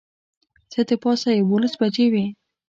څه د پاسه یوولس بجې وې.